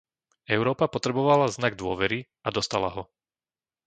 Európa potrebovala znak dôvery a dostala ho.